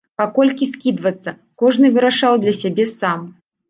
Па колькі скідвацца, кожны вырашаў для сябе сам.